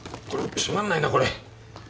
これ閉まんないなこれ。